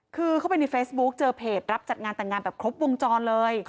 คือเข้าไปในเฟซบุ๊คเจอเพจรับจัดงานแต่งงานแบบครบวงจรเลย